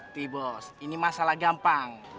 ngerti bos ini masalah gampang